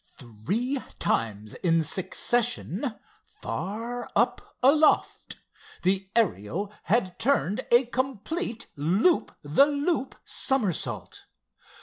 Three times in succession, far up aloft, the Ariel had turned a complete loop the loop somersault.